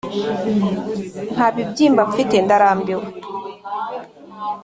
nta bibyimba mfite, ndarambiwe.